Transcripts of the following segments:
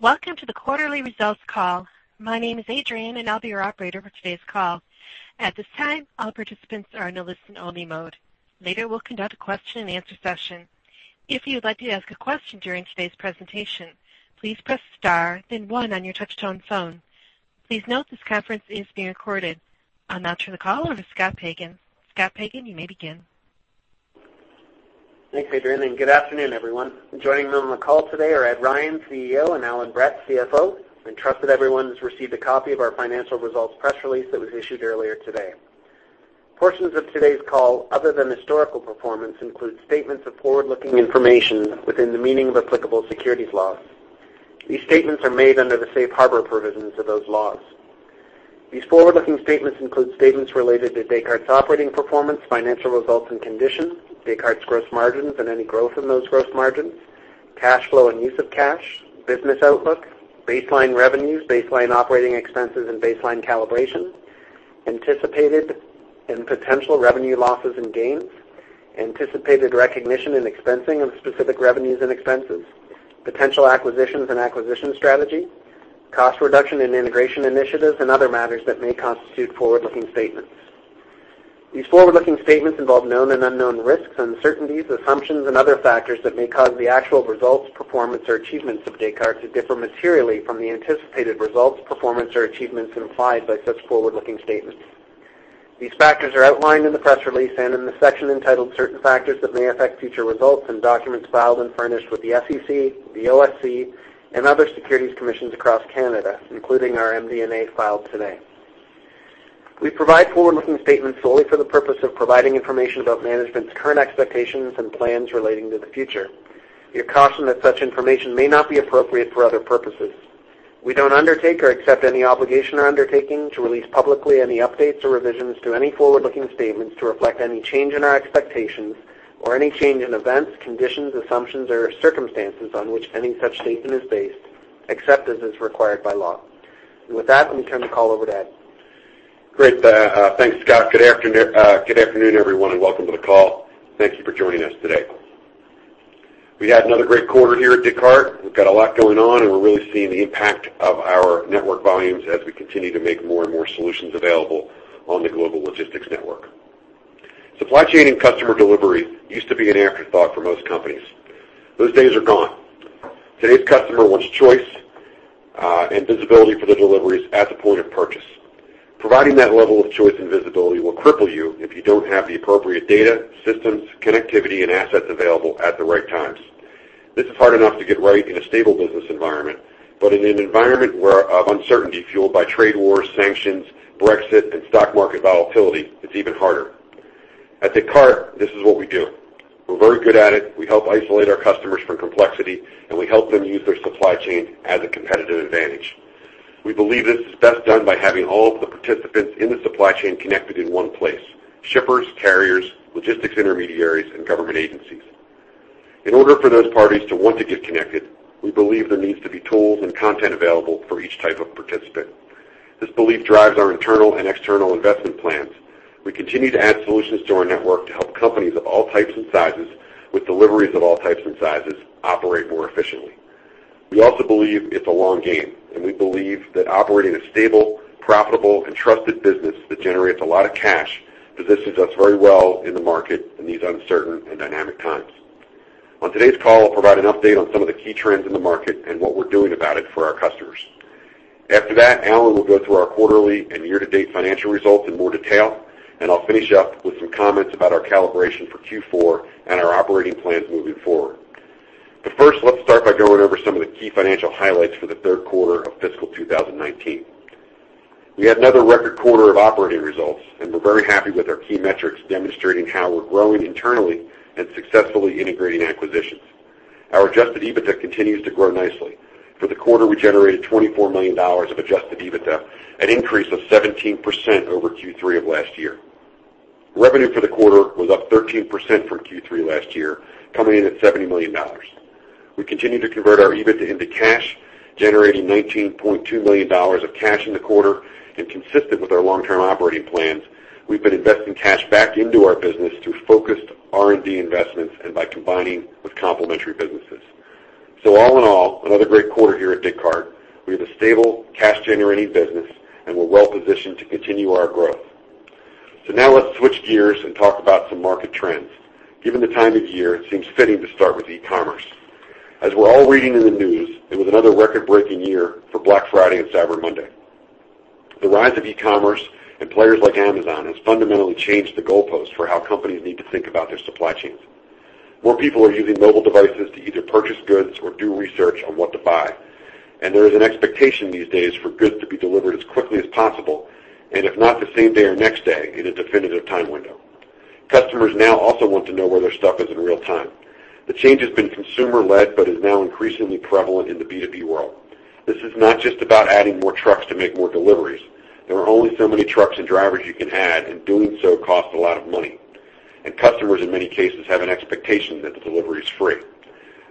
Welcome to the quarterly results call. My name is Adrian, and I'll be your operator for today's call. At this time, all participants are in a listen-only mode. Later, we'll conduct a question and answer session. If you'd like to ask a question during today's presentation, please press star then one on your touchtone phone. Please note this conference is being recorded. I'll now turn the call over to Scott Pagan. Scott Pagan, you may begin. Thanks, Adrian, and good afternoon, everyone. Joining me on the call today are Ed Ryan, CEO, and Allan Brett, CFO. I trust everyone's received a copy of our financial results press release that was issued earlier today. Portions of today's call, other than historical performance, include statements of forward-looking information within the meaning of applicable securities laws. These statements are made under the safe harbor provisions of those laws. These forward-looking statements include statements related to Descartes' operating performance, financial results and conditions, Descartes' gross margins and any growth in those gross margins, cash flow and use of cash, business outlook, baseline revenues, baseline operating expenses, and baseline calibration, anticipated and potential revenue losses and gains, anticipated recognition and expensing of specific revenues and expenses, potential acquisitions and acquisition strategy, cost reduction and integration initiatives, and other matters that may constitute forward-looking statements. These forward-looking statements involve known and unknown risks, uncertainties, assumptions, and other factors that may cause the actual results, performance, or achievements of Descartes to differ materially from the anticipated results, performance, or achievements implied by such forward-looking statements. These factors are outlined in the press release and in the section entitled Certain Factors That May Affect Future Results and documents filed and furnished with the SEC, the OSC, and other securities commissions across Canada, including our MD&A filed today. We provide forward-looking statements solely for the purpose of providing information about management's current expectations and plans relating to the future. We caution that such information may not be appropriate for other purposes. We don't undertake or accept any obligation or undertaking to release publicly any updates or revisions to any forward-looking statements to reflect any change in our expectations or any change in events, conditions, assumptions, or circumstances on which any such statement is based, except as is required by law. With that, let me turn the call over to Ed. Great. Thanks, Scott. Good afternoon, everyone, and welcome to the call. Thank you for joining us today. We had another great quarter here at Descartes. We've got a lot going on, and we're really seeing the impact of our network volumes as we continue to make more and more solutions available on the Global Logistics Network. Supply chain and customer delivery used to be an afterthought for most companies. Those days are gone. Today's customer wants choice, and visibility for their deliveries at the point of purchase. Providing that level of choice and visibility will cripple you if you don't have the appropriate data, systems, connectivity, and assets available at the right times. This is hard enough to get right in a stable business environment, but in an environment of uncertainty fueled by trade wars, sanctions, Brexit, and stock market volatility, it's even harder. At Descartes, this is what we do. We're very good at it. We help isolate our customers from complexity, and we help them use their supply chain as a competitive advantage. We believe this is best done by having all of the participants in the supply chain connected in one place, shippers, carriers, logistics intermediaries, and government agencies. In order for those parties to want to get connected, we believe there needs to be tools and content available for each type of participant. This belief drives our internal and external investment plans. We continue to add solutions to our network to help companies of all types and sizes with deliveries of all types and sizes operate more efficiently. We also believe it's a long game, and we believe that operating a stable, profitable, and trusted business that generates a lot of cash positions us very well in the market in these uncertain and dynamic times. On today's call, I'll provide an update on some of the key trends in the market and what we're doing about it for our customers. After that, Allan will go through our quarterly and year-to-date financial results in more detail, and I'll finish up with some comments about our calibration for Q4 and our operating plans moving forward. First, let's start by going over some of the key financial highlights for the third quarter of fiscal 2019. We had another record quarter of operating results, and we're very happy with our key metrics demonstrating how we're growing internally and successfully integrating acquisitions. Our adjusted EBITDA continues to grow nicely. For the quarter, we generated $24 million of adjusted EBITDA, an increase of 17% over Q3 of last year. Revenue for the quarter was up 13% from Q3 last year, coming in at $70 million. We continue to convert our EBITDA into cash, generating $19.2 million of cash in the quarter. Consistent with our long-term operating plans, we've been investing cash back into our business through focused R&D investments and by combining with complementary businesses. All in all, another great quarter here at Descartes. We have a stable, cash-generating business, and we're well-positioned to continue our growth. Now let's switch gears and talk about some market trends. Given the time of year, it seems fitting to start with e-commerce. As we're all reading in the news, it was another record-breaking year for Black Friday and Cyber Monday. The rise of e-commerce and players like Amazon has fundamentally changed the goalposts for how companies need to think about their supply chains. More people are using mobile devices to either purchase goods or do research on what to buy. There is an expectation these days for goods to be delivered as quickly as possible, and if not the same day or next day in a definitive time window. Customers now also want to know where their stuff is in real time. The change has been consumer-led but is now increasingly prevalent in the B2B world. This is not just about adding more trucks to make more deliveries. There are only so many trucks and drivers you can add, and doing so costs a lot of money. Customers, in many cases, have an expectation that the delivery is free.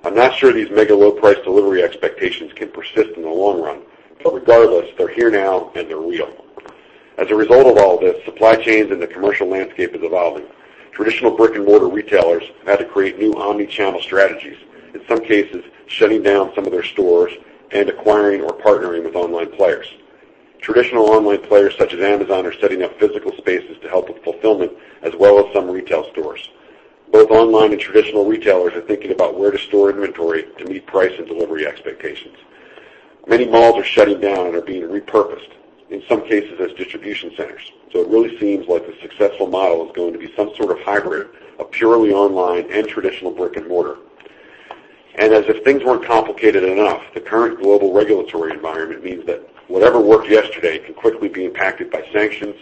I'm not sure these mega low price delivery expectations can persist in the long run, but regardless, they're here now and they're real. As a result of all this, supply chains in the commercial landscape is evolving. Traditional brick-and-mortar retailers have had to create new omnichannel strategies, in some cases, shutting down some of their stores and acquiring or partnering with online players. Traditional online players such as Amazon are setting up physical spaces to help with fulfillment, as well as some retail stores. Both online and traditional retailers are thinking about where to store inventory to meet price and delivery expectations. Many malls are shutting down and are being repurposed, in some cases as distribution centers. It really seems like the successful model is going to be some sort of hybrid of purely online and traditional brick-and-mortar. As if things weren't complicated enough, the current global regulatory environment means that whatever worked yesterday can quickly be impacted by sanctions,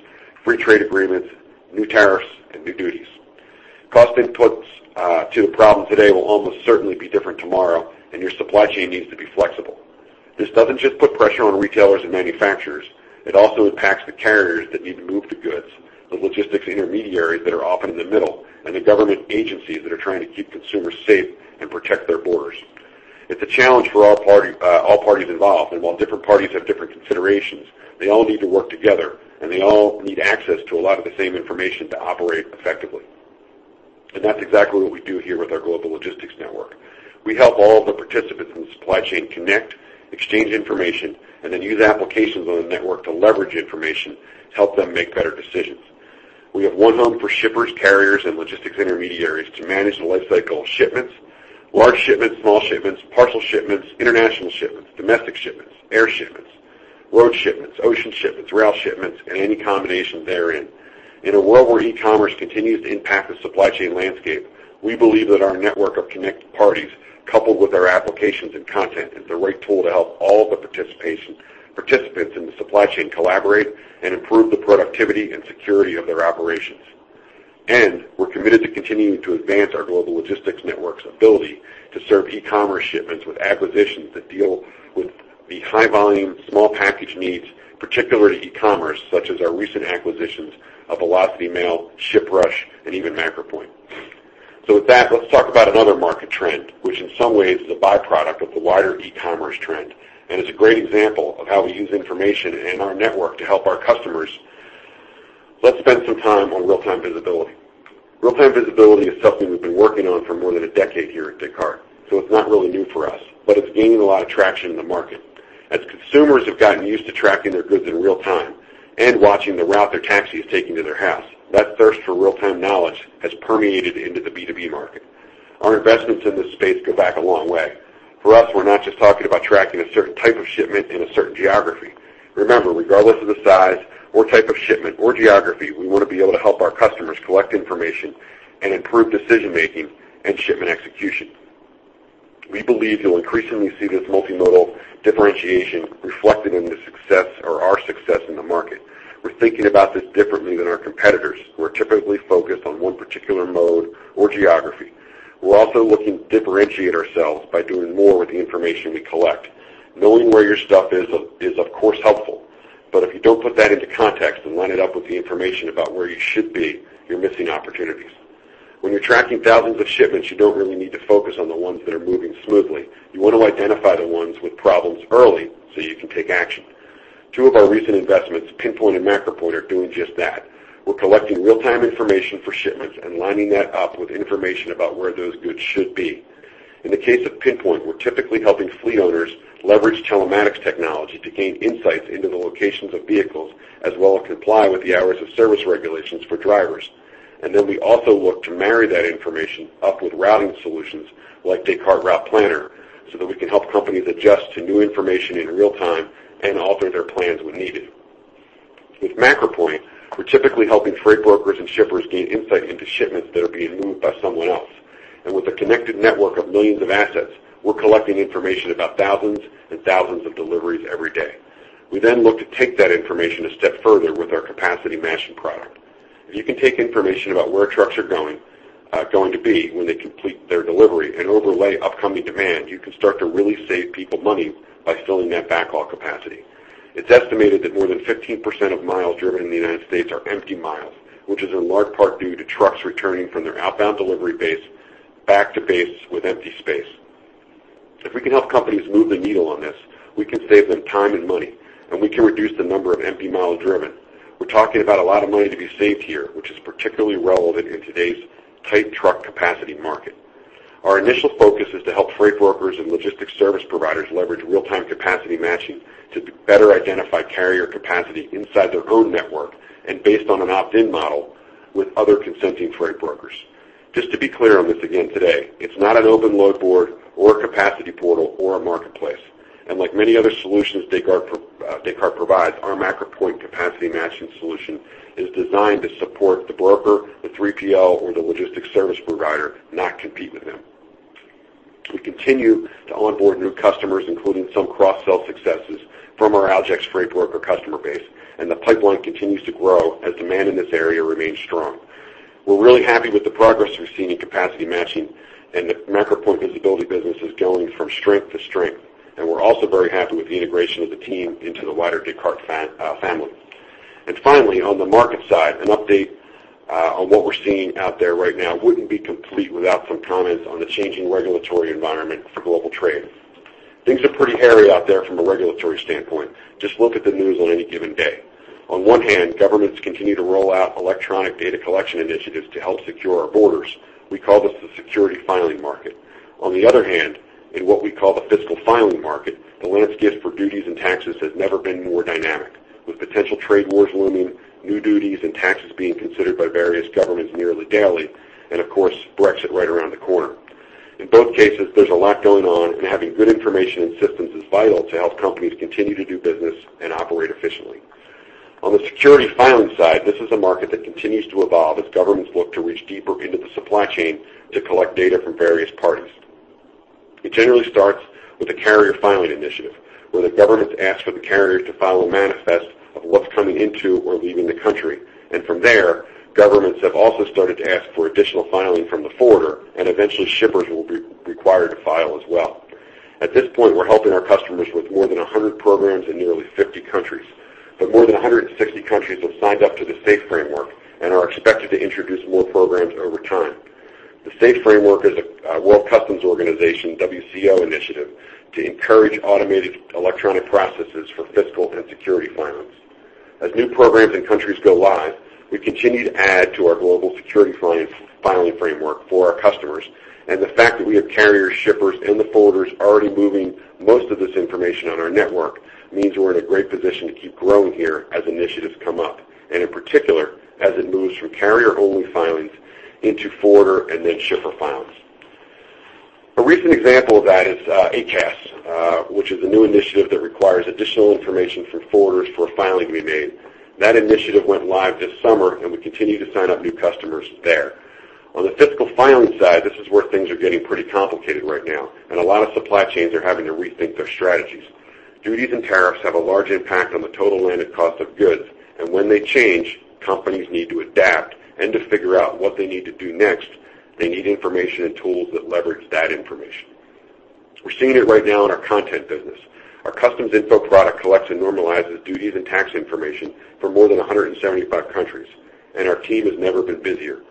free trade agreements, new tariffs, and new duties. Cost inputs to the problem today will almost certainly be different tomorrow, your supply chain needs to be flexible. This doesn't just put pressure on retailers and manufacturers, it also impacts the carriers that need to move the goods, the logistics intermediaries that are often in the middle, and the government agencies that are trying to keep consumers safe and protect their borders. It's a challenge for all parties involved, while different parties have different considerations, they all need to work together, they all need access to a lot of the same information to operate effectively. That's exactly what we do here with our Global Logistics Network. We help all the participants in the supply chain connect, exchange information, then use applications on the network to leverage information to help them make better decisions. We have one home for shippers, carriers, and logistics intermediaries to manage the life cycle of shipments, large shipments, small shipments, parcel shipments, international shipments, domestic shipments, air shipments, road shipments, ocean shipments, rail shipments, any combination therein. In a world where e-commerce continues to impact the supply chain landscape, we believe that our network of connected parties, coupled with our applications and content, is the right tool to help all the participants in the supply chain collaborate and improve the productivity and security of their operations. We're committed to continuing to advance our Global Logistics Network's ability to serve e-commerce shipments with acquisitions that deal with the high volume, small package needs particular to e-commerce, such as our recent acquisitions of Velocity Mail, ShipRush, and even MacroPoint. With that, let's talk about another market trend, which in some ways is a byproduct of the wider e-commerce trend and is a great example of how we use information and our network to help our customers. Let's spend some time on real-time visibility. Real-time visibility is something we've been working on for more than 10 years here at Descartes, so it's not really new for us, but it's gaining a lot of traction in the market. As consumers have gotten used to tracking their goods in real time and watching the route their taxi is taking to their house, that thirst for real-time knowledge has permeated into the B2B market. Our investments in this space go back a long way. For us, we're not just talking about tracking a certain type of shipment in a certain geography. Remember, regardless of the size or type of shipment or geography, we want to be able to help our customers collect information and improve decision-making and shipment execution. We believe you'll increasingly see this multimodal differentiation reflected in our success in the market. We're thinking about this differently than our competitors, who are typically focused on one particular mode or geography. We're also looking to differentiate ourselves by doing more with the information we collect. Knowing where your stuff is of course helpful, but if you don't put that into context and line it up with the information about where you should be, you're missing opportunities. When you're tracking thousands of shipments, you don't really need to focus on the ones that are moving smoothly. You want to identify the ones with problems early so you can take action. Two of our recent investments, PinPoint and MacroPoint, are doing just that. We're collecting real-time information for shipments and lining that up with information about where those goods should be. In the case of PinPoint, we're typically helping fleet owners leverage telematics technology to gain insights into the locations of vehicles, as well as comply with the Hours of Service regulations for drivers. Then we also look to marry that information up with routing solutions like Descartes Route Planner, so that we can help companies adjust to new information in real time and alter their plans when needed. With MacroPoint, we're typically helping freight brokers and shippers gain insight into shipments that are being moved by someone else. With a connected network of millions of assets, we're collecting information about thousands and thousands of deliveries every day. We then look to take that information a step further with our capacity matching product. If you can take information about where trucks are going to be when they complete their delivery and overlay upcoming demand, you can start to really save people money by filling that backlog capacity. It's estimated that more than 15% of miles driven in the U.S. are empty miles, which is in large part due to trucks returning from their outbound delivery base back to base with empty space. If we can help companies move the needle on this, we can save them time and money, and we can reduce the number of empty miles driven. We're talking about a lot of money to be saved here, which is particularly relevant in today's tight truck capacity market. Our initial focus is to help freight brokers and logistics service providers leverage real-time capacity matching to better identify carrier capacity inside their own network and based on an opt-in model with other consenting freight brokers. Just to be clear on this again today, it's not an open load board or a capacity portal or a marketplace. Like many other solutions Descartes provides, our MacroPoint capacity matching solution is designed to support the broker, the 3PL, or the logistics service provider, not compete with them. We continue to onboard new customers, including some cross-sell successes from our Aljex freight broker customer base, and the pipeline continues to grow as demand in this area remains strong. We're really happy with the progress we've seen in capacity matching, and the MacroPoint visibility business is going from strength to strength. We're also very happy with the integration of the team into the wider Descartes family. Finally, on the market side, an update on what we're seeing out there right now wouldn't be complete without some comments on the changing regulatory environment for global trade. Things are pretty hairy out there from a regulatory standpoint. Just look at the news on any given day. On one hand, governments continue to roll out electronic data collection initiatives to help secure our borders. We call this the security filing market. On the other hand, in what we call the fiscal filing market, the landscape for duties and taxes has never been more dynamic, with potential trade wars looming, new duties and taxes being considered by various governments nearly daily, and of course, Brexit right around the corner. In both cases, there's a lot going on, and having good information and systems is vital to help companies continue to do business and operate efficiently. On the security filing side, this is a market that continues to evolve as governments look to reach deeper into the supply chain to collect data from various parties. It generally starts with a carrier filing initiative, where the governments ask for the carriers to file a manifest of what's coming into or leaving the country. From there, governments have also started to ask for additional filing from the forwarder, and eventually shippers will be required to file as well. At this point, we're helping our customers with more than 100 programs in nearly 50 countries. More than 160 countries have signed up to the SAFE framework and are expected to introduce more programs over time. The SAFE framework is a World Customs Organization, WCO initiative to encourage automated electronic processes for fiscal and security filings. As new programs and countries go live, we continue to add to our global security filing framework for our customers, and the fact that we have carrier shippers and the forwarders already moving most of this information on our network means we're in a great position to keep growing here as initiatives come up, and in particular, as it moves from carrier-only filings into forwarder and then shipper filings. A recent example of that is ACAS, which is a new initiative that requires additional information for forwarders for a filing to be made. That initiative went live this summer, and we continue to sign up new customers there. On the fiscal filing side, this is where things are getting pretty complicated right now. A lot of supply chains are having to rethink their strategies. Duties and tariffs have a large impact on the total landed cost of goods, and when they change, companies need to adapt and to figure out what they need to do next. They need information and tools that leverage that information. We're seeing it right now in our content business. Our CustomsInfo product collects and normalizes duties and tax information for more than 175 countries. Our team has never been busier.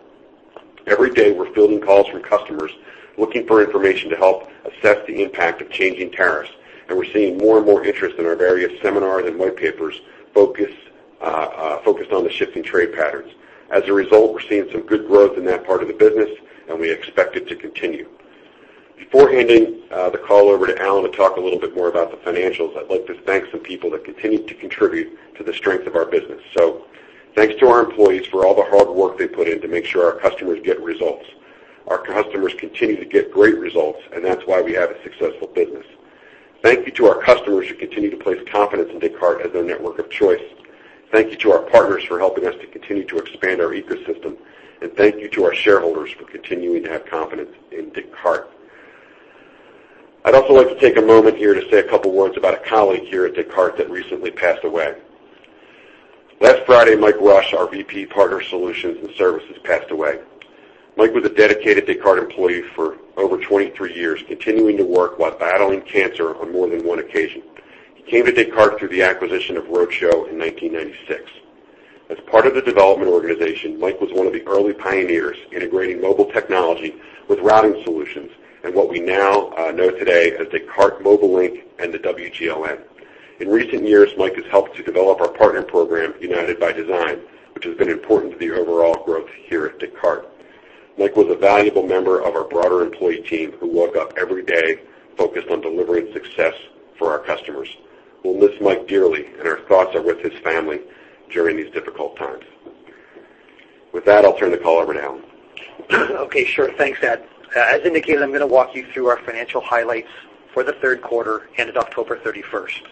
Every day, we're fielding calls from customers looking for information to help assess the impact of changing tariffs. We're seeing more and more interest in our various seminars and white papers focused on the shifting trade patterns. As a result, we're seeing some good growth in that part of the business, and we expect it to continue. Before handing the call over to Allan to talk a little bit more about the financials, I'd like to thank some people that continue to contribute to the strength of our business. Thanks to our employees for all the hard work they put in to make sure our customers get results. Our customers continue to get great results, and that's why we have a successful business. Thank you to our customers who continue to place confidence in Descartes as their network of choice. Thank you to our partners for helping us to continue to expand our ecosystem. Thank you to our shareholders for continuing to have confidence in Descartes. I'd also like to take a moment here to say a couple words about a colleague here at Descartes that recently passed away. Last Friday, Mike Rush, our VP of Partner Solutions and Services, passed away. Mike was a dedicated Descartes employee for over 23 years, continuing to work while battling cancer on more than one occasion. He came to Descartes through the acquisition of Roadshow in 1996. As part of the development organization, Mike was one of the early pioneers integrating mobile technology with routing solutions and what we now know today as Descartes MobileLINK and the wGLN. In recent years, Mike has helped to develop our partner program, United by Design, which has been important to the overall growth here at Descartes. Mike was a valuable member of our broader employee team who woke up every day focused on delivering success for our customers. We'll miss Mike dearly, and our thoughts are with his family during these difficult times. With that, I'll turn the call over to Allan. Okay, sure. Thanks, Ed. As indicated, I'm going to walk you through our financial highlights for the third quarter ended October 31st, 2018.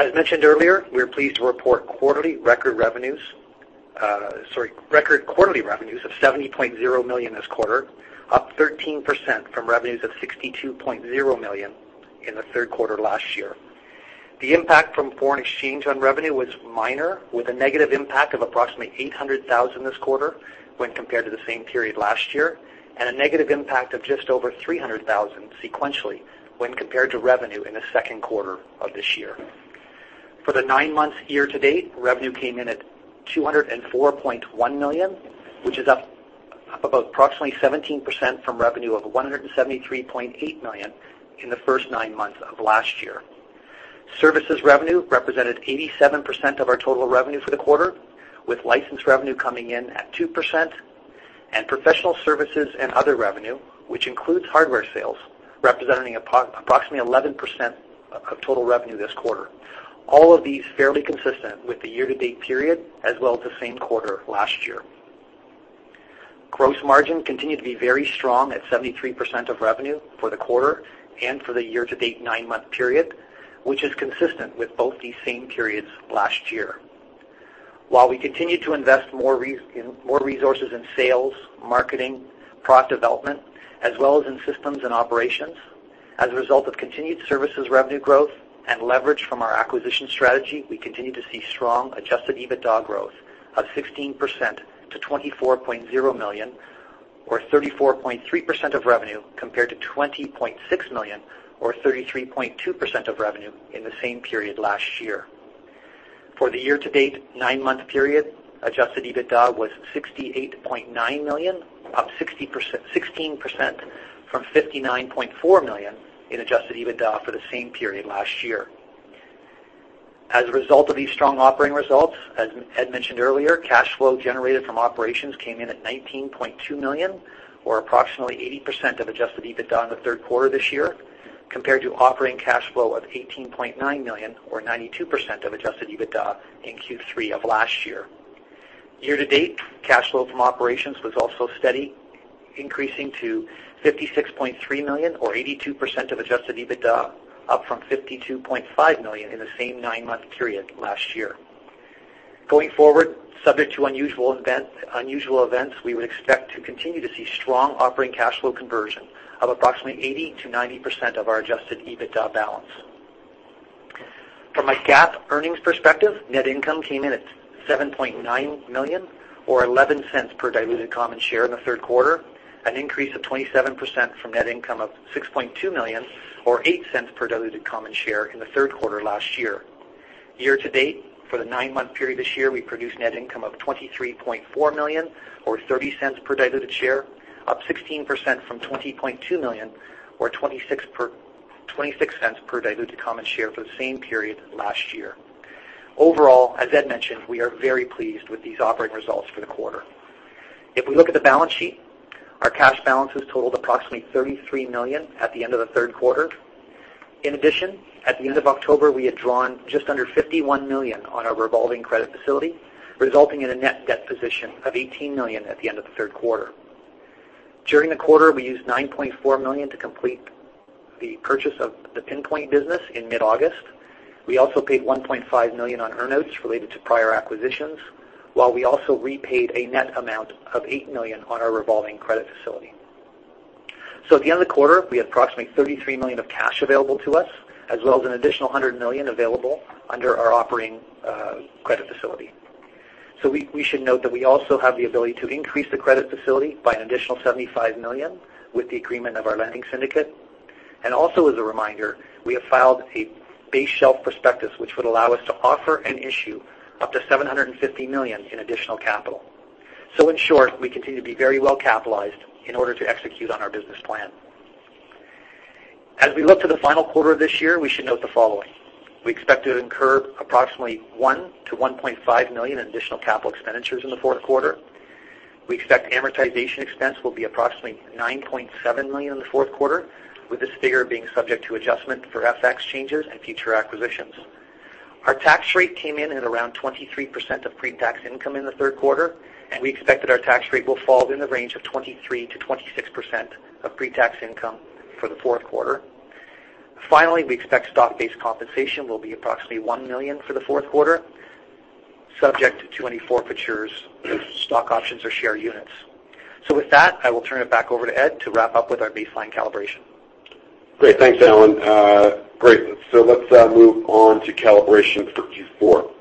As mentioned earlier, we are pleased to report record quarterly revenues of $70.0 million this quarter, up 13% from revenues of $62.0 million in the third quarter last year. The impact from foreign exchange on revenue was minor, with a negative impact of approximately $800,000 this quarter when compared to the same period last year, and a negative impact of just over $300,000 sequentially when compared to revenue in the second quarter of this year. For the nine months year-to-date, revenue came in at $204.1 million, which is up about approximately 17% from revenue of $173.8 million in the first nine months of last year. Services revenue represented 87% of our total revenue for the quarter, with license revenue coming in at 2%, and professional services and other revenue, which includes hardware sales, representing approximately 11% of total revenue this quarter. All of these fairly consistent with the year-to-date period as well as the same quarter last year. Gross margin continued to be very strong at 73% of revenue for the quarter and for the year-to-date nine-month period, which is consistent with both these same periods last year. While we continued to invest more resources in sales, marketing, product development, as well as in systems and operations, as a result of continued services revenue growth and leverage from our acquisition strategy, we continue to see strong adjusted EBITDA growth of 16% to $24.0 million or 34.3% of revenue, compared to $20.6 million or 33.2% of revenue in the same period last year. For the year-to-date nine-month period, adjusted EBITDA was $68.9 million, up 16% from $59.4 million in adjusted EBITDA for the same period last year. As a result of these strong operating results, as Ed mentioned earlier, cash flow generated from operations came in at $19.2 million, or approximately 80% of adjusted EBITDA in the third quarter this year, compared to operating cash flow of $18.9 million, or 92% of adjusted EBITDA in Q3 of last year. Year-to-date cash flow from operations was also steady, increasing to $56.3 million or 82% of adjusted EBITDA, up from $52.5 million in the same nine-month period last year. Going forward, subject to unusual events, we would expect to continue to see strong operating cash flow conversion of approximately 80%-90% of our adjusted EBITDA balance. From a GAAP earnings perspective, net income came in at $7.9 million, or $0.11 per diluted common share in the third quarter, an increase of 27% from net income of $6.2 million, or $0.08 per diluted common share in the third quarter last year. Year-to-date, for the nine-month period this year, we produced net income of $23.4 million, or $0.30 per diluted share, up 16% from $20.2 million or $0.26 per diluted common share for the same period last year. Overall, as Ed mentioned, we are very pleased with these operating results for the quarter. If we look at the balance sheet, our cash balances totaled approximately $33 million at the end of the third quarter. In addition, at the end of October, we had drawn just under $51 million on our revolving credit facility, resulting in a net debt position of $18 million at the end of the third quarter. During the quarter, we used $9.4 million to complete the purchase of the PinPoint business in mid-August. We also paid $1.5 million on earn-outs related to prior acquisitions, while we also repaid a net amount of $8 million on our revolving credit facility. At the end of the quarter, we had approximately $33 million of cash available to us, as well as an additional $100 million available under our operating credit facility. We should note that we also have the ability to increase the credit facility by an additional $75 million with the agreement of our lending syndicate. Also as a reminder, we have filed a base shelf prospectus which would allow us to offer and issue up to $750 million in additional capital. In short, we continue to be very well-capitalized in order to execute on our business plan. As we look to the final quarter of this year, we should note the following. We expect to incur approximately $1 million-$1.5 million in additional capital expenditures in the fourth quarter. We expect amortization expense will be approximately $9.7 million in the fourth quarter, with this figure being subject to adjustment for FX changes and future acquisitions. Our tax rate came in at around 23% of pre-tax income in the third quarter, and we expect that our tax rate will fall in the range of 23%-26% of pre-tax income for the fourth quarter. Finally, we expect stock-based compensation will be approximately $1 million for the fourth quarter, subject to any forfeitures of stock options or share units. With that, I will turn it back over to Ed to wrap up with our baseline calibration. Great. Thanks, Allan. Great. Let's move on to calibration for Q4.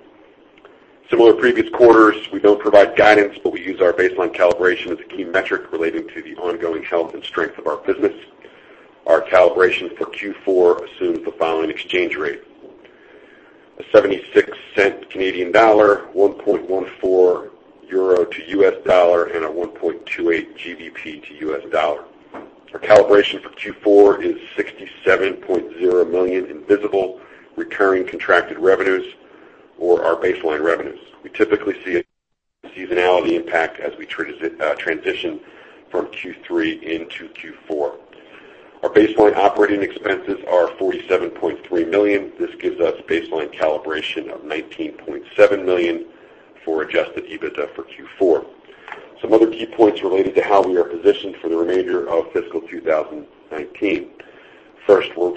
Similar to previous quarters, we don't provide guidance, but we use our baseline calibration as a key metric relating to the ongoing health and strength of our business. Our calibration for Q4 assumes the following exchange rate: 0.76, EUR 1.14 to U.S. dollar, and 1.28 to U.S. dollar. Our calibration for Q4 is $67.0 million in visible, recurring contracted revenues or our baseline revenues. We typically see a seasonality impact as we transition from Q3 into Q4. Our baseline operating expenses are $47.3 million. This gives us baseline calibration of $19.7 million for adjusted EBITDA for Q4. Some other key points related to how we are positioned for the remainder of fiscal 2019. First, we're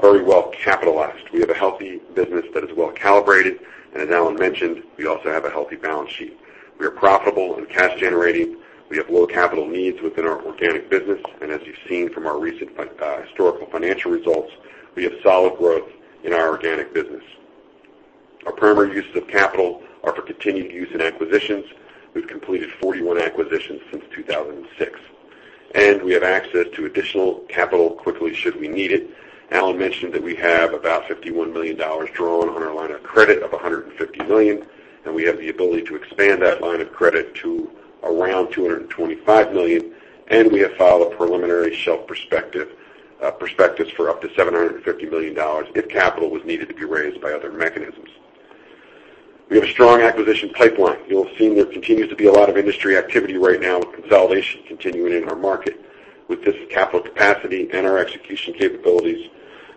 very well capitalized. We have a healthy business that is well calibrated, and as Allan mentioned, we also have a healthy balance sheet. We are profitable and cash generating. We have low capital needs within our organic business, and as you've seen from our recent historical financial results, we have solid growth in our organic business. Our primary uses of capital are for continued use in acquisitions. We've completed 41 acquisitions since 2006. We have access to additional capital quickly should we need it. Allan mentioned that we have about $51 million drawn on our line of credit of $150 million. We have the ability to expand that line of credit to around $225 million. We have filed a preliminary shelf prospectus for up to $750 million if capital was needed to be raised by other mechanisms. We have a strong acquisition pipeline. You'll have seen there continues to be a lot of industry activity right now with consolidation continuing in our market. With this capital capacity and our execution capabilities,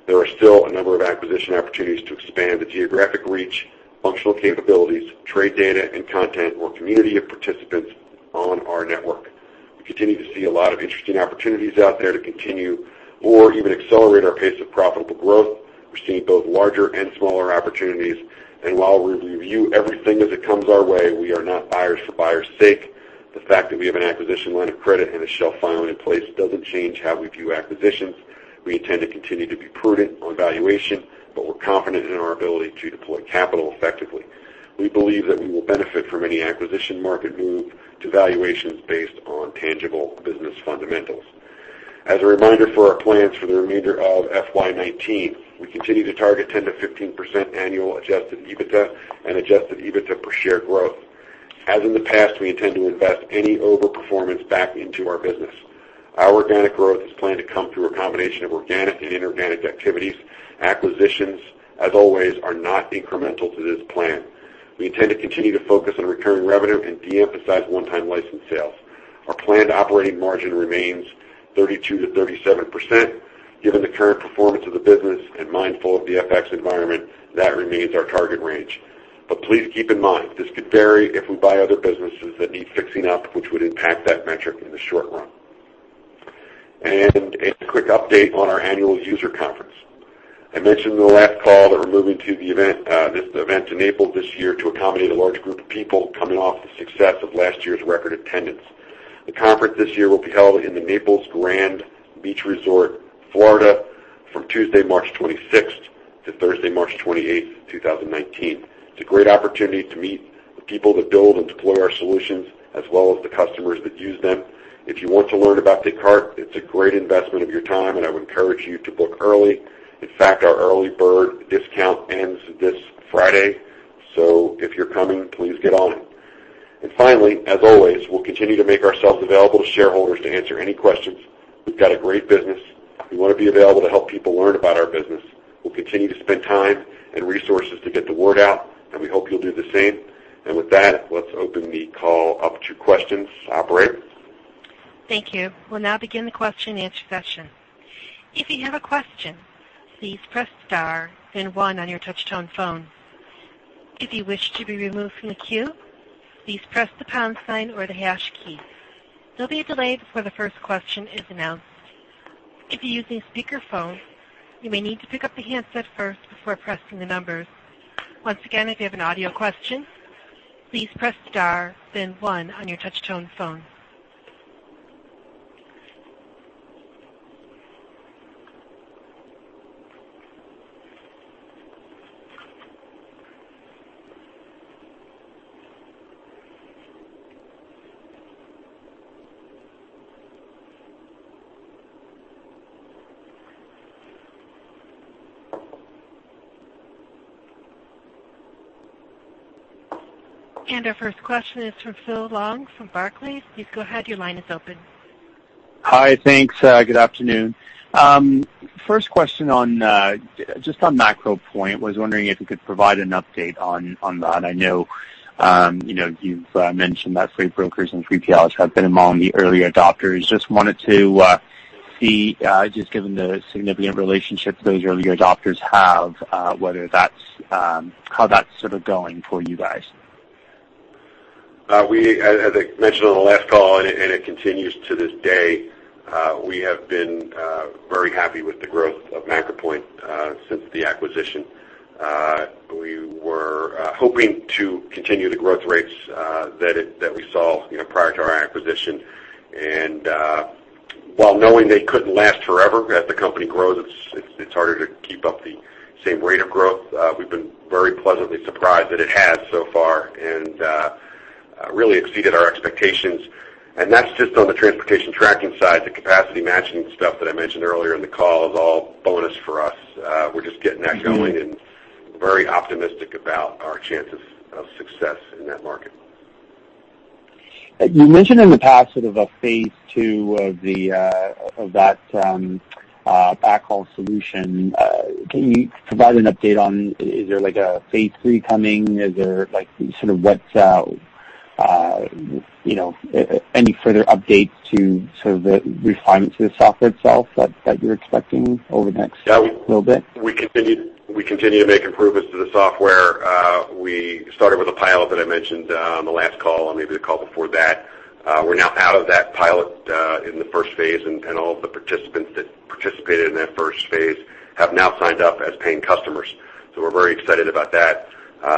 there are still a number of acquisition opportunities to expand the geographic reach, functional capabilities, trade data, and content or community of participants on our network. We continue to see a lot of interesting opportunities out there to continue or even accelerate our pace of profitable growth. We're seeing both larger and smaller opportunities, and while we review everything as it comes our way, we are not buyers for buyers' sake. The fact that we have an acquisition line of credit and a shelf filing in place doesn't change how we view acquisitions. We intend to continue to be prudent on valuation, but we're confident in our ability to deploy capital effectively. We believe that we will benefit from any acquisition market move to valuations based on tangible business fundamentals. As a reminder for our plans for the remainder of FY 2019, we continue to target 10%-15% annual adjusted EBITDA and adjusted EBITDA per share growth. As in the past, we intend to invest any over-performance back into our business. Our organic growth is planned to come through a combination of organic and inorganic activities. Acquisitions, as always, are not incremental to this plan. We intend to continue to focus on recurring revenue and de-emphasize one-time license sales. Our planned operating margin remains 32%-37%. Given the current performance of the business and mindful of the FX environment, that remains our target range. Please keep in mind, this could vary if we buy other businesses that need fixing up, which would impact that metric in the short run. A quick update on our annual user conference. I mentioned in the last call that we're moving this event to Naples this year to accommodate a large group of people coming off the success of last year's record attendance. The conference this year will be held in the Naples Grande Beach Resort, Florida, from Tuesday, March 26th, 2019 to Thursday, March 28th, 2019. It's a great opportunity to meet the people that build and deploy our solutions, as well as the customers that use them. If you want to learn about Descartes, it's a great investment of your time, and I would encourage you to book early. In fact, our early bird discount ends this Friday, so if you're coming, please get on it. Finally, as always, we'll continue to make ourselves available to shareholders to answer any questions. We've got a great business. We want to be available to help people learn about our business. We'll continue to spend time and resources to get the word out, and we hope you'll do the same. With that, let's open the call up to questions. Operator? Thank you. We'll now begin the question and answer session. If you have a question, please press star then one on your touch-tone phone. If you wish to be removed from the queue, please press the pound sign or the hash key. There'll be a delay before the first question is announced. If you're using speakerphone, you may need to pick up the handset first before pressing the numbers. Once again, if you have an audio question, please press star then one on your touch-tone phone. Our first question is from Phil Huang from Barclays. Please go ahead, your line is open. Hi. Thanks. Good afternoon. First question, just on MacroPoint, was wondering if you could provide an update on that. I know you've mentioned that freight brokers and 3PLs have been among the early adopters. Just wanted to see, just given the significant relationships those early adopters have, how that's sort of going for you guys. As I mentioned on the last call, it continues to this day, we have been very happy with the growth of MacroPoint since the acquisition. We were hoping to continue the growth rates that we saw prior to our acquisition. While knowing they couldn't last forever, as the company grows, it's harder to keep up the same rate of growth. We've been very pleasantly surprised that it has so far and really exceeded our expectations. That's just on the transportation tracking side. The capacity matching stuff that I mentioned earlier in the call is all bonus for us. We're just getting that going and we're very optimistic about our chances of success in that market. You mentioned in the past sort of a phase two of that backhaul solution. Can you provide an update on, is there a phase three coming? Any further updates to sort of the refinement to the software itself that you're expecting over the next little bit? We continue to make improvements to the software. We started with a pilot that I mentioned on the last call, or maybe the call before that. We're now out of that pilot in the first phase, and all of the participants that participated in that first phase have now signed up as paying customers. We're very excited about that.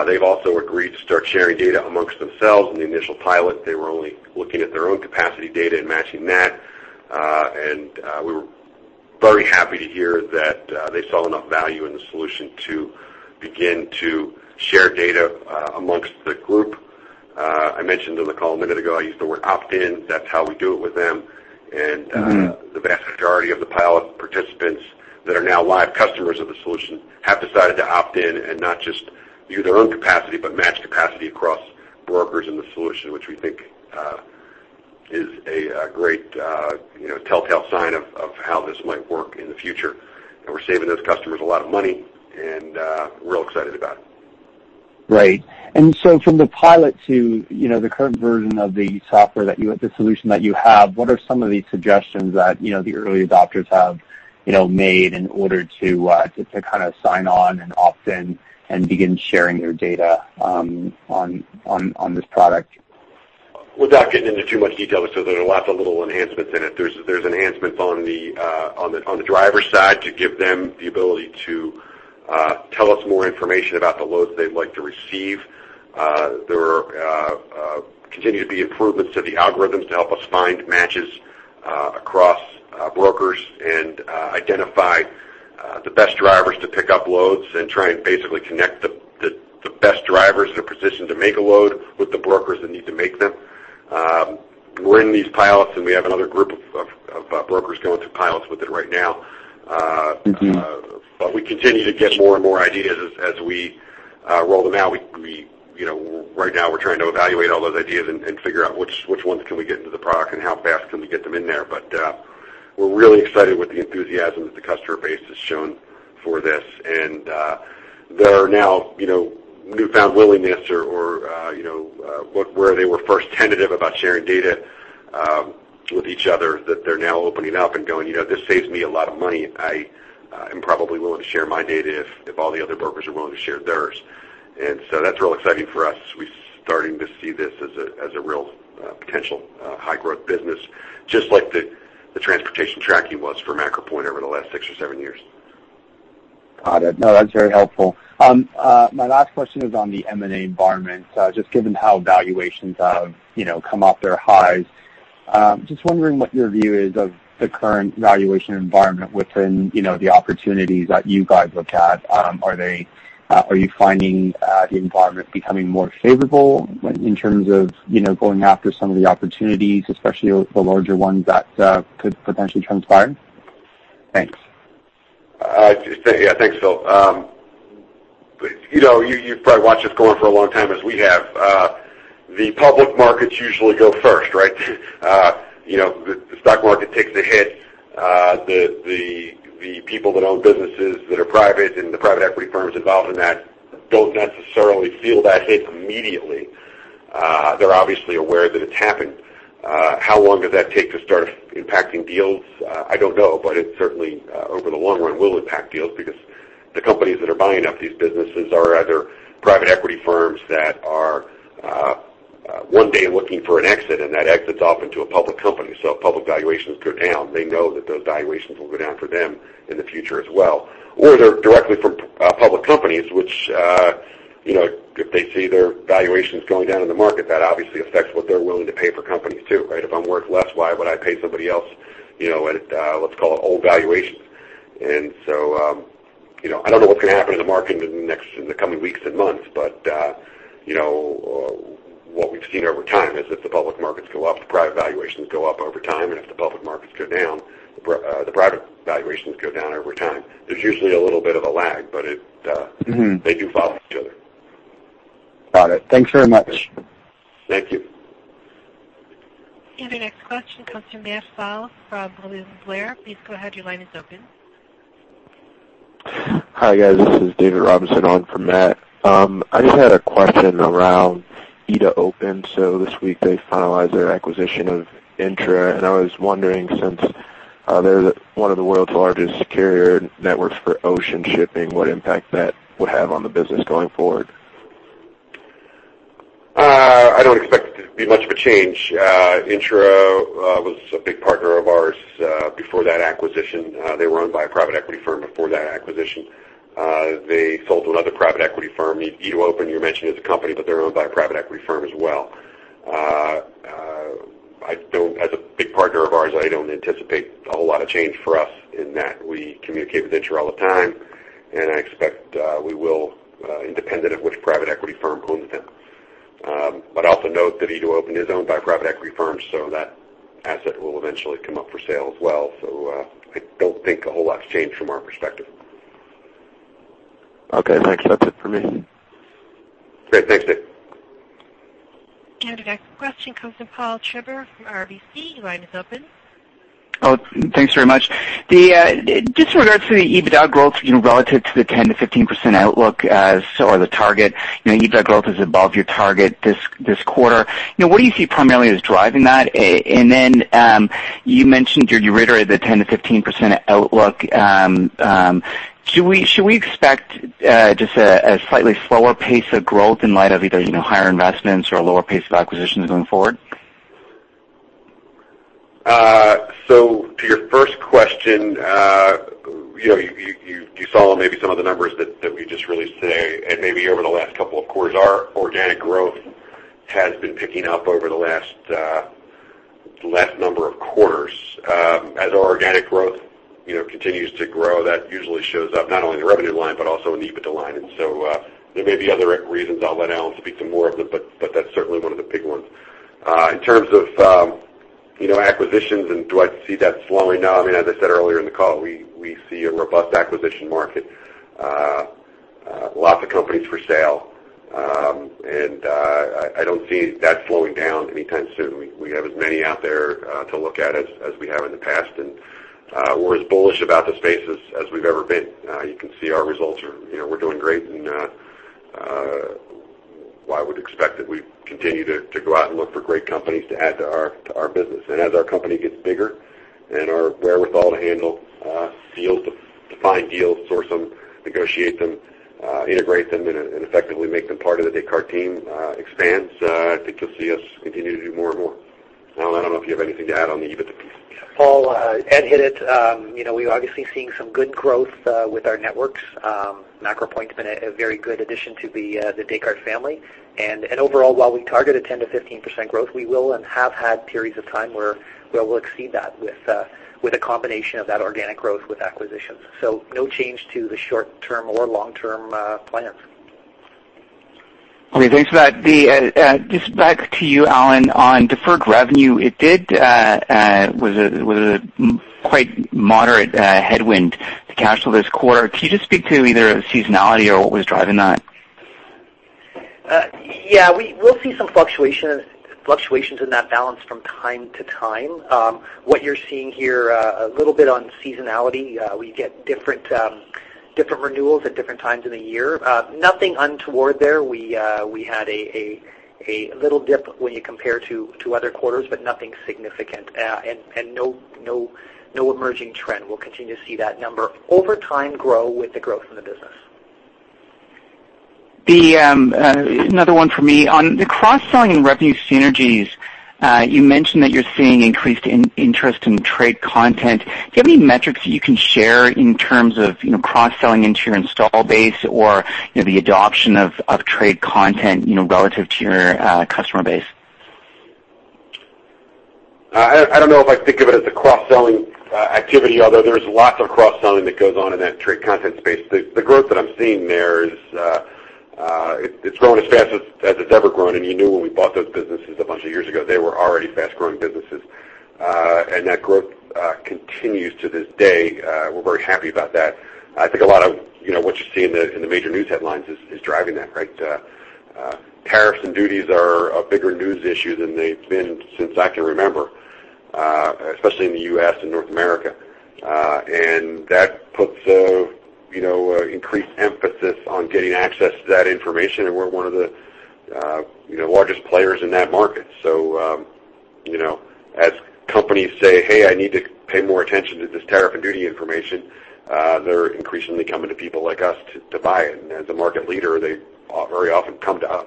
They've also agreed to start sharing data amongst themselves. In the initial pilot, they were only looking at their own capacity data and matching that. We were very happy to hear that they saw enough value in the solution to begin to share data amongst the group. I mentioned on the call a minute ago, I used the word opt-in. That's how we do it with them. The vast majority of the pilot participants that are now live customers of the solution have decided to opt in and not just view their own capacity, but match capacity across brokers in the solution, which we think is a great telltale sign of how this might work in the future. We're saving those customers a lot of money, and we're real excited about it. Right. From the pilot to the current version of the software, the solution that you have, what are some of the suggestions that the early adopters have made in order to kind of sign on and opt in and begin sharing their data on this product? Without getting into too much detail, there are lots of little enhancements in it. There's enhancements on the driver side to give them the ability to tell us more information about the loads they'd like to receive. There continue to be improvements to the algorithms to help us find matches across brokers and identify the best drivers to pick up loads and try and basically connect the best drivers who are positioned to make a load with the brokers that need to make them. We're in these pilots, and we have another group of brokers going through pilots with it right now. We continue to get more and more ideas as we roll them out. Right now, we're trying to evaluate all those ideas and figure out which ones can we get into the product and how fast can we get them in there. We're really excited with the enthusiasm that the customer base has shown for this. There are now newfound willingness or where they were first tentative about sharing data with each other, that they're now opening up and going, "This saves me a lot of money. I am probably willing to share my data if all the other brokers are willing to share theirs." That's real exciting for us as we're starting to see this as a real potential high growth business, just like the transportation tracking was for MacroPoint over the last six or seven years. Got it. No, that's very helpful. My last question is on the M&A environment. Just given how valuations have come off their highs, just wondering what your view is of the current valuation environment within the opportunities that you guys look at. Are you finding the environment becoming more favorable in terms of going after some of the opportunities, especially the larger ones that could potentially transpire? Thanks. Yeah. Thanks, Phil. You've probably watched this going for a long time as we have. The public markets usually go first, right? The stock market takes a hit. The people that own businesses that are private and the private equity firms involved in that don't necessarily feel that hit immediately. They're obviously aware that it's happened. How long does that take to start impacting deals? I don't know, but it certainly, over the long run, will impact deals because the companies that are buying up these businesses are either private equity firms that are one day looking for an exit, and that exit's often to a public company. If public valuations go down, they know that those valuations will go down for them in the future as well. They're directly from public companies, which if they see their valuations going down in the market, that obviously affects what they're willing to pay for companies, too, right? If I'm worth less, why would I pay somebody else at, let's call it, old valuations. I don't know what's going to happen in the market in the coming weeks and months. What we've seen over time is if the public markets go up, the private valuations go up over time. If the public markets go down, the private valuations go down over time. There's usually a little bit of a lag. They do follow each other. Got it. Thanks very much. Thank you. The next question comes from Matt Pfau from William Blair. Please go ahead. Your line is open. Hi, guys. This is David Robinson on for Matt. I just had a question around E2open. This week they finalized their acquisition of Inttra, and I was wondering, since they're one of the world's largest carrier networks for ocean shipping, what impact that would have on the business going forward? I don't expect it to be much of a change. Inttra was a big partner of ours before that acquisition. They were owned by a private equity firm before that acquisition. They sold to another private equity firm. E2open, you mentioned, is a company, but they're owned by a private equity firm as well. As a big partner of ours, I don't anticipate a whole lot of change for us in that we communicate with Inttra all the time, and I expect we will, independent of which private equity firm owns them. Also note that E2open is owned by a private equity firm, so that asset will eventually come up for sale as well. I don't think a whole lot's changed from our perspective. Okay, thanks. That's it for me. Great. Thanks, David. The next question comes from Paul Treiber from RBC. Your line is open. Thanks very much. Just in regards to the EBITDA growth relative to the 10%-15% outlook or the target. EBITDA growth is above your target this quarter. What do you see primarily as driving that? You mentioned or you reiterated the 10%-15% outlook. Should we expect just a slightly slower pace of growth in light of either higher investments or a lower pace of acquisitions going forward? To your first question, you saw maybe some of the numbers that we just released today and maybe over the last couple of quarters. Our organic growth has been picking up over the last number of quarters. As our organic growth continues to grow, that usually shows up not only in the revenue line, but also in the EBITDA line. There may be other reasons. I'll let Allan speak to more of them, but that's certainly one of the big ones. In terms of acquisitions and do I see that slowing down? As I said earlier in the call, we see a robust acquisition market. Lots of companies for sale, and I don't see that slowing down anytime soon. We have as many out there to look at as we have in the past, and we're as bullish about the space as we've ever been. You can see our results. We're doing great, I would expect that we continue to go out and look for great companies to add to our business. As our company gets bigger and our wherewithal to handle deals, to find deals, source them, negotiate them, integrate them, and effectively make them part of The Descartes team expands, I think you'll see us continue to do more and more. Allan, I don't know if you have anything to add on the EBITDA piece. Paul, Ed hit it. We're obviously seeing some good growth with our networks. MacroPoint's been a very good addition to The Descartes family. Overall, while we target a 10%-15% growth, we will and have had periods of time where we'll exceed that with a combination of that organic growth with acquisitions. No change to the short-term or long-term plans. Okay, thanks for that. Just back to you, Allan, on deferred revenue. It was a quite moderate headwind to cash flow this quarter. Can you just speak to either seasonality or what was driving that? Yeah. We'll see some fluctuations in that balance from time to time. What you're seeing here, a little bit on seasonality. We get different renewals at different times of the year. Nothing untoward there. We had a little dip when you compare to other quarters, but nothing significant. No emerging trend. We'll continue to see that number over time grow with the growth in the business. Another one for me. On the cross-selling and revenue synergies, you mentioned that you're seeing increased interest in trade content. Do you have any metrics that you can share in terms of cross-selling into your install base or the adoption of trade content relative to your customer base? I don't know if I'd think of it as a cross-selling activity, although there's lots of cross-selling that goes on in that trade content space. The growth that I'm seeing there is, it's growing as fast as it's ever grown. You knew when we bought those businesses a bunch of years ago, they were already fast-growing businesses. That growth continues to this day. We're very happy about that. I think a lot of what you see in the major news headlines is driving that, right? Tariffs and duties are a bigger news issue than they've been since I can remember, especially in the U.S. and North America. That puts increased emphasis on getting access to that information, and we're one of the largest players in that market. As companies say, "Hey, I need to pay more attention to this tariff and duty information," they're increasingly coming to people like us to buy it. As a market leader, they very often come to us.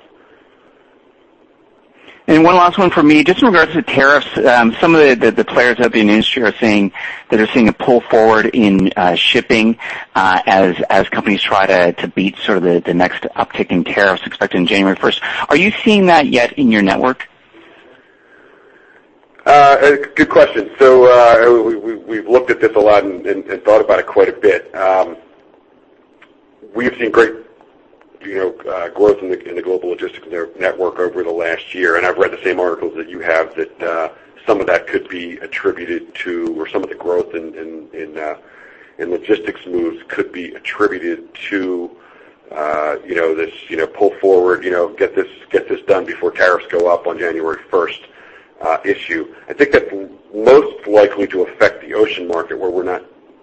One last one for me, just in regards to tariffs. Some of the players up in the industry are saying that they're seeing a pull forward in shipping as companies try to beat sort of the next uptick in tariffs expected in January 1st, 2019. Are you seeing that yet in your network? Good question. We've looked at this a lot and thought about it quite a bit. We've seen great growth in the Global Logistics Network over the last year, and I've read the same articles that you have that some of that could be attributed to, or some of the growth in logistics moves could be attributed to this pull forward, get this done before tariffs go up on January 1st, 2019 issue. I think that's most likely to affect the ocean market, where we're not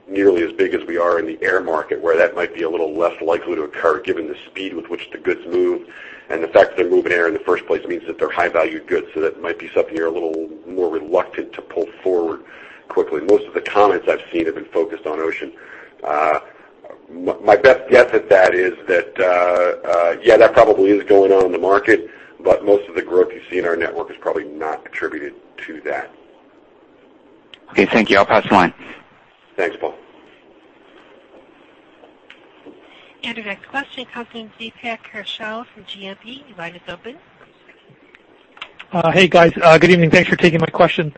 nearly as big as we are in the air market, where that might be a little less likely to occur given the speed with which the goods move. The fact that they're moving air in the first place means that they're high-value goods, so that might be something you're a little more reluctant to pull forward quickly. Most of the comments I've seen have been focused on ocean. My best guess at that is that, yeah, that probably is going on in the market, but most of the growth you see in our network is probably not attributed to that. Okay, thank you. I'll pass the line. Thanks, Paul. Our next question comes in, Deepak Kaushal from GMP. Your line is open. Hey, guys. Good evening. Thanks for taking my question.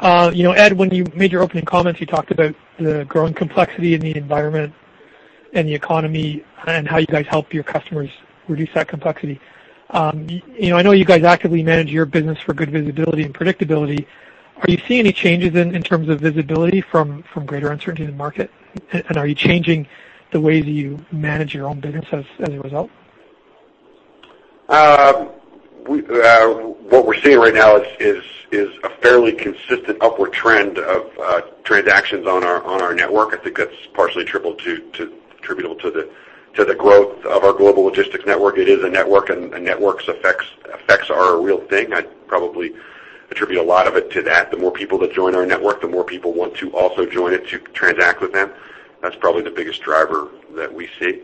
Ed, when you made your opening comments, you talked about the growing complexity in the environment and the economy and how you guys help your customers reduce that complexity. I know you guys actively manage your business for good visibility and predictability. Are you seeing any changes in terms of visibility from greater uncertainty in the market? Are you changing the way that you manage your own business as a result? What we're seeing right now is a fairly consistent upward trend of transactions on our network. I think that's partially attributable to the growth of our Global Logistics Network. It is a network, and networks effects are a real thing. I'd probably attribute a lot of it to that. The more people that join our network, the more people want to also join it to transact with them. That's probably the biggest driver that we see.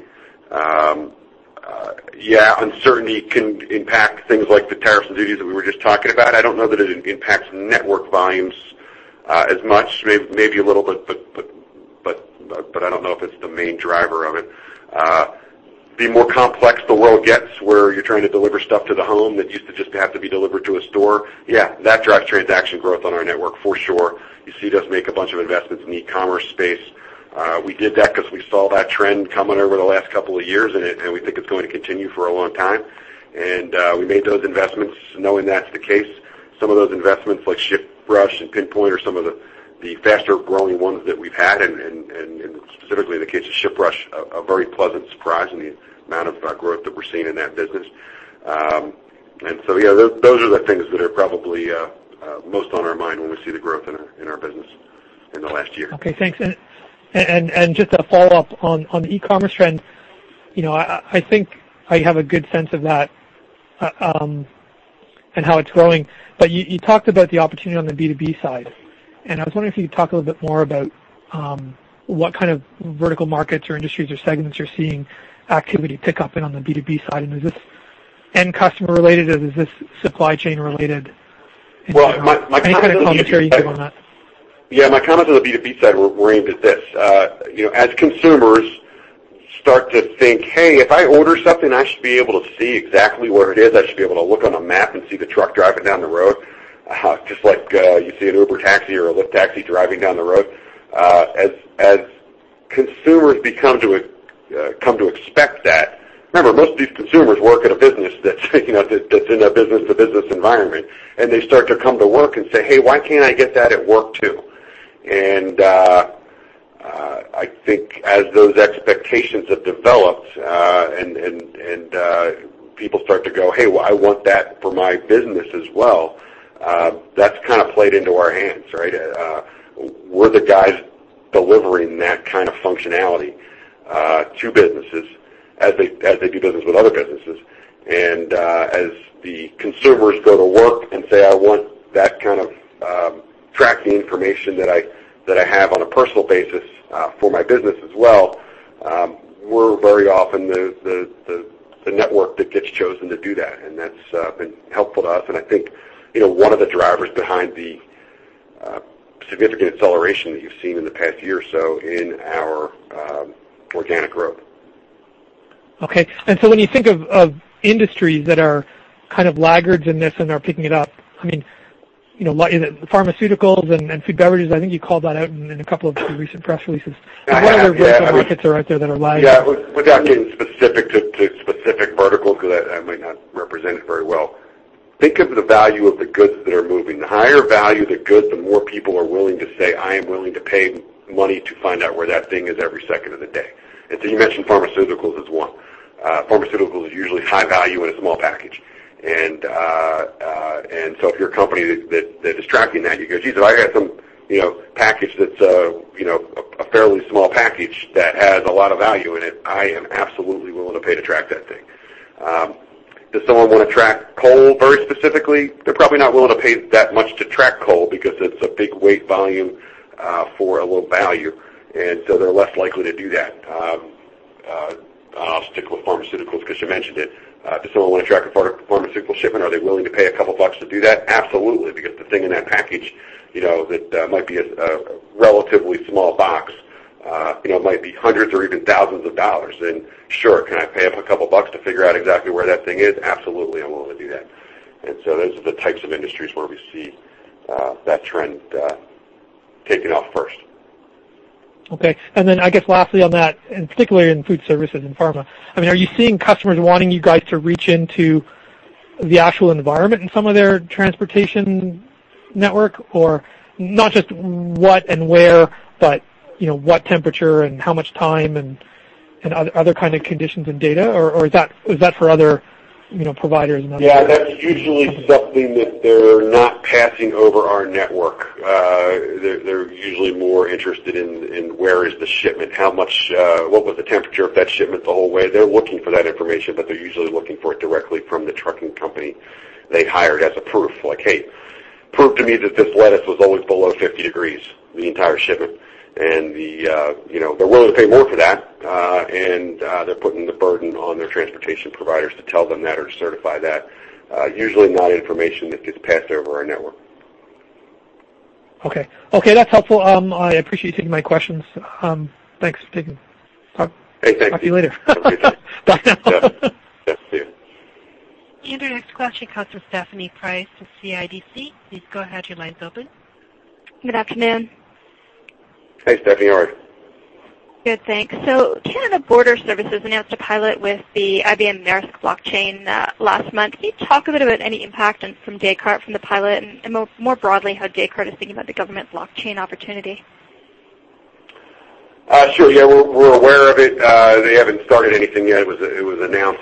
Yeah, uncertainty can impact things like the tariffs and duties that we were just talking about. I don't know that it impacts network volumes as much. Maybe a little bit, but I don't know if it's the main driver of it. The more complex the world gets where you're trying to deliver stuff to the home that used to just have to be delivered to a store, yeah, that drives transaction growth on our network for sure. You see us make a bunch of investments in the e-commerce space. We did that because we saw that trend coming over the last couple of years, and we think it's going to continue for a long time. We made those investments knowing that's the case. Some of those investments, like ShipRush and PinPoint, are some of the faster-growing ones that we've had, and specifically in the case of ShipRush, a very pleasant surprise in the amount of growth that we're seeing in that business. So yeah, those are the things that are probably most on our mind when we see the growth in our business in the last year. Okay, thanks. Just a follow-up on the e-commerce trend. I think I have a good sense of that and how it's growing. You talked about the opportunity on the B2B side, and I was wondering if you could talk a little bit more about what kind of vertical markets or industries or segments you're seeing activity pick up in on the B2B side, and is this end customer related, or is this supply chain related? Any kind of commentary you can give on that. Yeah, my comments on the B2B side were aimed at this. As consumers start to think, "Hey, if I order something, I should be able to see exactly where it is. I should be able to look on a map and see the truck driving down the road," just like you see an Uber taxi or a Lyft taxi driving down the road. As consumers come to expect that. Remember, most of these consumers work at a business that's in a business-to-business environment, and they start to come to work and say, "Hey, why can't I get that at work, too?" I think as those expectations have developed, and people start to go, "Hey, well, I want that for my business as well," that's kind of played into our hands, right? We're the guys delivering that kind of functionality to businesses as they do business with other businesses. As the consumers go to work and say, "I want that kind of tracking information that I have on a personal basis, for my business as well," we're very often the network that gets chosen to do that. That's been helpful to us and I think one of the drivers behind the significant acceleration that you've seen in the past year or so in our organic growth. Okay. When you think of industries that are kind of laggards in this and are picking it up, like pharmaceuticals and food and beverages, I think you called that out in a couple of recent press releases. What other markets are out there that are lagging? Yeah. Without getting specific to specific verticals, because I might not represent it very well, think of the value of the goods that are moving. The higher value the goods, the more people are willing to say, "I am willing to pay money to find out where that thing is every second of the day." You mentioned pharmaceuticals is one. Pharmaceuticals is usually high value in a small package. If you're a company that is tracking that, you go, "Jesus, I got some package that's a fairly small package that has a lot of value in it. I am absolutely willing to pay to track that thing." Does someone want to track coal very specifically? They're probably not willing to pay that much to track coal because it's a big weight volume, for a low value. They're less likely to do that. I'll stick with pharmaceuticals because you mentioned it. Does someone want to track a pharmaceutical shipment? Are they willing to pay a couple bucks to do that? Absolutely. Because the thing in that package, that might be a relatively small box, might be hundreds or even thousands of dollars. Sure, can I pay up a couple of bucks to figure out exactly where that thing is? Absolutely, I'm willing to do that. Those are the types of industries where we see that trend taking off first. Okay. Then I guess lastly on that, particularly in food services and pharma, are you seeing customers wanting you guys to reach into the actual environment in some of their transportation network? Not just what and where, but what temperature and how much time and other kinds of conditions and data, or is that for other providers and others? Yeah, that's usually something that they're not passing over our network. They're usually more interested in where is the shipment, what was the temperature of that shipment the whole way. They're looking for that information, they're usually looking for it directly from the trucking company they hired as a proof, like, "Hey, prove to me that this lettuce was always below 50 degrees the entire shipment." They're willing to pay more for that, they're putting the burden on their transportation providers to tell them that or to certify that. Usually not information that gets passed over our network. Okay. That's helpful. I appreciate you taking my questions. Thanks for speaking. Hey, thanks. Talk to you later. Bye now. Yeah. Cheers. Andrew, next question comes from Stephanie Price with CIBC. Please go ahead, your line's open. Good afternoon. Hey, Stephanie. How are you? Good, thanks. Canada Border Services announced a pilot with the IBM Maersk blockchain, last month. Can you talk a bit about any impact from Descartes from the pilot and, more broadly, how Descartes is thinking about the government's blockchain opportunity? Sure. Yeah, we're aware of it. They haven't started anything yet. It was announced.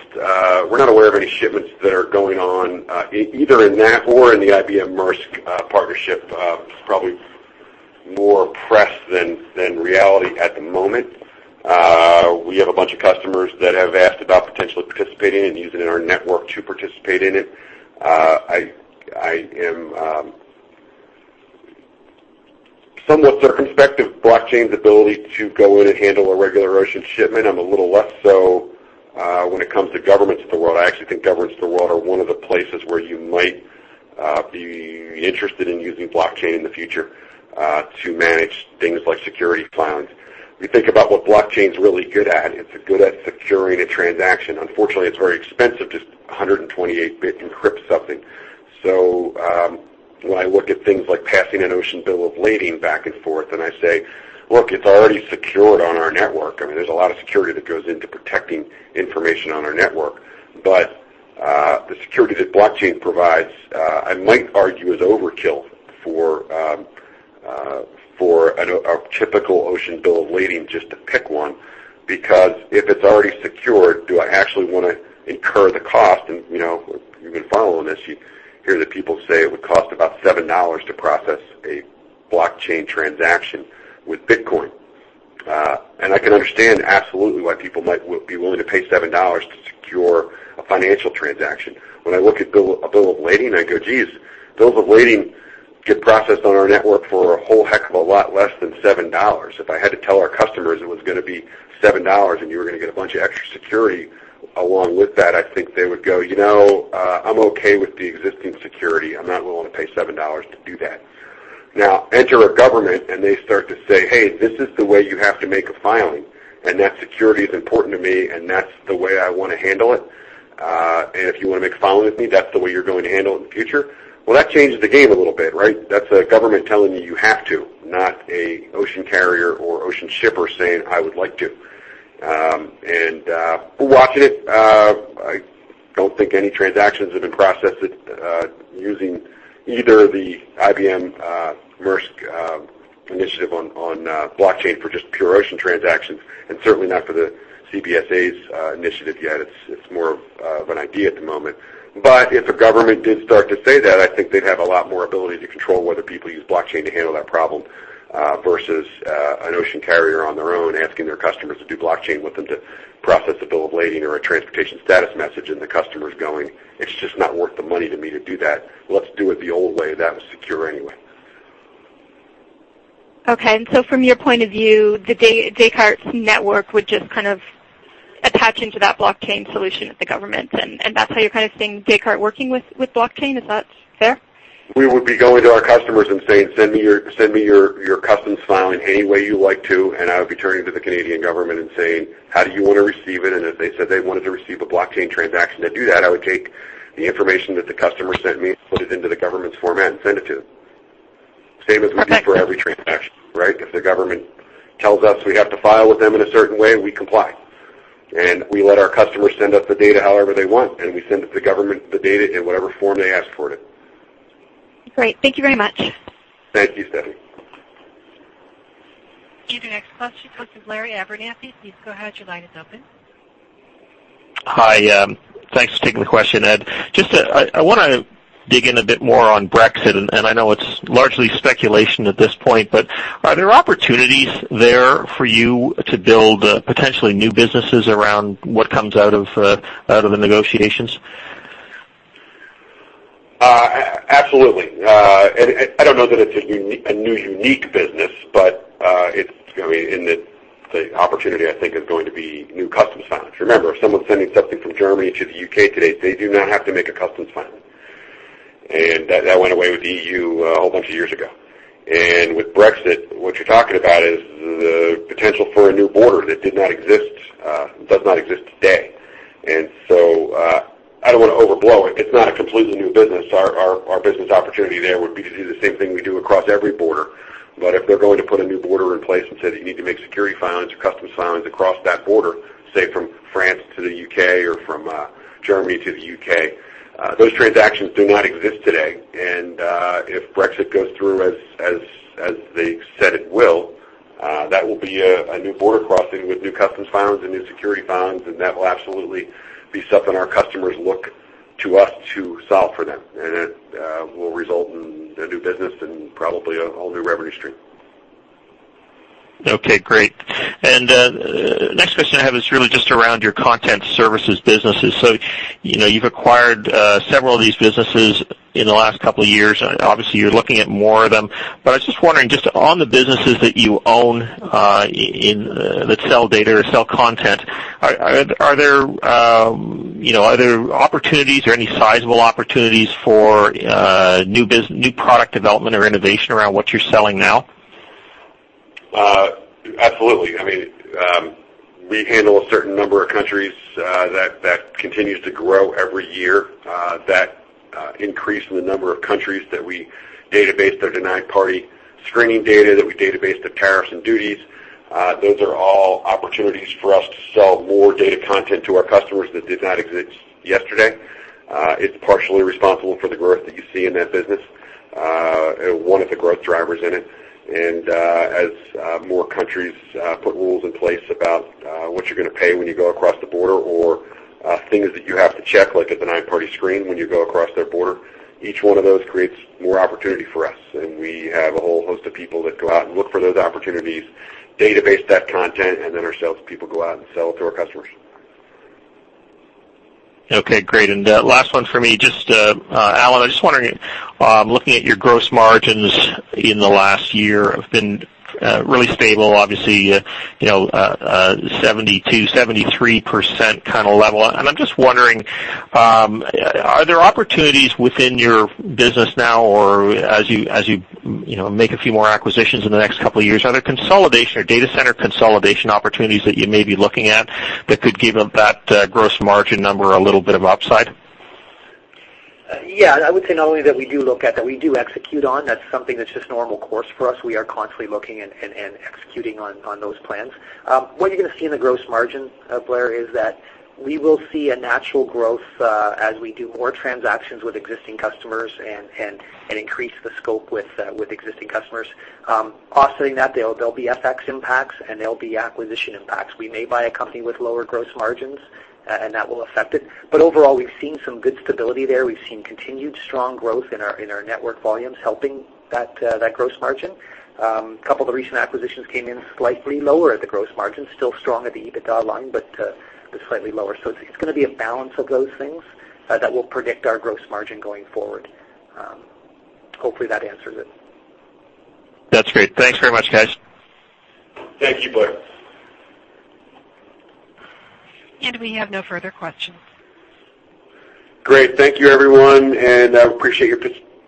We're not aware of any shipments that are going on, either in that or in the IBM Maersk partnership. It's probably more press than reality at the moment. We have a bunch of customers that have asked about potentially participating and using our network to participate in it. I am somewhat circumspect of blockchain's ability to go in and handle a regular ocean shipment. I am a little less so when it comes to governments of the world. I actually think governments of the world are one of the places where you might be interested in using blockchain in the future to manage things like security filings. If you think about what blockchain's really good at, it's good at securing a transaction. Unfortunately, it's very expensive to 128-bit encrypt something. When I look at things like passing an ocean bill of lading back and forth, and I say, "Look, it's already secured on our network." There's a lot of security that goes into protecting information on our network. The security that blockchain provides, I might argue, is overkill for a typical ocean bill of lading, just to pick one, because if it's already secured, do I actually want to incur the cost? If you've been following this, you hear the people say it would cost about $7 to process a blockchain transaction with Bitcoin. I can understand absolutely why people might be willing to pay $7 to secure a financial transaction. I look at a bill of lading, I go, "Geez, bills of lading get processed on our network for a whole heck of a lot less than 7 dollars." If I had to tell our customers it was going to be 7 dollars and you were going to get a bunch of extra security along with that, I think they would go, "You know, I'm okay with the existing security. I'm not willing to pay 7 dollars to do that." Enter a government and they start to say, "Hey, this is the way you have to make a filing, and that security is important to me, and that's the way I want to handle it." If you want to make a filing with me, that's the way you're going to handle it in the future." That changes the game a little bit, right? That's a government telling you you have to, not an ocean carrier or ocean shipper saying, "I would like to." We're watching it. I don't think any transactions have been processed using either the IBM Maersk initiative on blockchain for just pure ocean transactions, and certainly not for the CBSA's initiative yet. It's more of an idea at the moment. If a government did start to say that, I think they'd have a lot more ability to control whether people use blockchain to handle that problem, versus an ocean carrier on their own, asking their customers to do blockchain with them to process a bill of lading or a transportation status message, and the customer's going, "It's just not worth the money to me to do that. Let's do it the old way. That was secure anyway. Okay. From your point of view, Descartes' network would just attach into that blockchain solution with the government, and that's how you're seeing Descartes working with blockchain. Is that fair? We would be going to our customers and saying, "Send me your customs filing any way you like to," and I would be turning to the Canadian government and saying, "How do you want to receive it?" If they said they wanted to receive a blockchain transaction to do that, I would take the information that the customer sent me and put it into the government's format and send it to them. Same as we do for every transaction, right? If the government tells us we have to file with them in a certain way, we comply, and we let our customers send us the data however they want, and we send the government the data in whatever form they ask for it. Great. Thank you very much. Thank you, Stephanie. Your next question comes from Blair Abernethy. Please go ahead. Your line is open. Hi. Thanks for taking the question, Ed. I know it's largely speculation at this point, are there opportunities there for you to build potentially new businesses around what comes out of the negotiations? Absolutely. I don't know that it's a new, unique business, the opportunity, I think, is going to be new customs filings. Remember, if someone's sending something from Germany to the U.K. today, they do not have to make a customs filing. That went away with the EU a whole bunch of years ago. With Brexit, what you're talking about is the potential for a new border that does not exist today. I don't want to overblow it. It's not a completely new business. Our business opportunity there would be to do the same thing we do across every border. If they're going to put a new border in place and say that you need to make security filings or customs filings across that border, say, from France to the U.K. or from Germany to the U.K., those transactions do not exist today. If Brexit goes through as they've said it will, that will be a new border crossing with new customs filings and new security filings, that will absolutely be something our customers look to us to solve for them. It will result in a new business and probably a whole new revenue stream. Okay, great. Next question I have is really just around your content services businesses. You've acquired several of these businesses in the last couple of years, obviously, you're looking at more of them. I was just wondering, just on the businesses that you own that sell data or sell content, are there opportunities or any sizable opportunities for new product development or innovation around what you're selling now? Absolutely. We handle a certain number of countries that continues to grow every year. That increase in the number of countries that we database their denied party screening data, that we database the tariffs and duties, those are all opportunities for us to sell more data content to our customers that did not exist yesterday. It's partially responsible for the growth that you see in that business, one of the growth drivers in it. As more countries put rules in place about what you're gonna pay when you go across the border or things that you have to check, like at the denied party screen when you go across their border, each one of those creates more opportunity for us, and we have a whole host of people that go out and look for those opportunities, database that content, and then our salespeople go out and sell it to our customers. Okay, great. Last one for me. Allan, I'm looking at your gross margins in the last year have been really stable, obviously, 72%-73% kind of level. I'm just wondering, are there opportunities within your business now or as you make a few more acquisitions in the next couple of years, are there data center consolidation opportunities that you may be looking at that could give that gross margin number a little bit of upside? I would say not only that we do look at that, we do execute on. That's something that's just normal course for us. We are constantly looking and executing on those plans. What you're gonna see in the gross margin, Blair, is that we will see a natural growth as we do more transactions with existing customers and increase the scope with existing customers. Offsetting that, there'll be FX impacts, and there'll be acquisition impacts. We may buy a company with lower gross margins, and that will affect it. Overall, we've seen some good stability there. We've seen continued strong growth in our network volumes helping that gross margin. A couple of the recent acquisitions came in slightly lower at the gross margin, still strong at the EBITDA line, but slightly lower. It's gonna be a balance of those things that will predict our gross margin going forward. Hopefully, that answers it. That's great. Thanks very much, guys. Thank you, Blair. We have no further questions. Great. Thank you, everyone. I appreciate your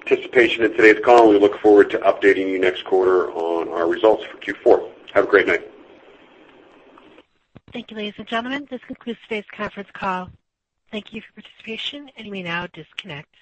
participation in today's call. We look forward to updating you next quarter on our results for Q4. Have a great night. Thank you, ladies and gentlemen. This concludes today's conference call. Thank you for your participation. You may now disconnect.